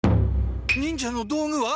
忍者の道具は？